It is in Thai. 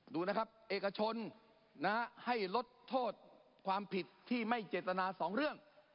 ดูนะครับเอกชนให้ลดโทษความผิดที่ไม่เจตนาสองเรื่อง